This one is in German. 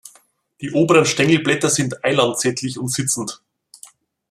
Die oberen Stängelblätter sind eilanzettlich und sitzend.